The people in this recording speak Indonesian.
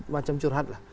macam curhat lah